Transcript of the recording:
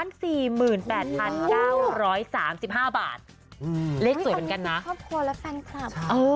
เลขสวยเหมือนกันนะอันนี้คือครอบครัวและแฟนคลับ